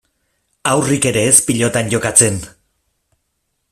Haurrik ere ez pilotan jokatzen.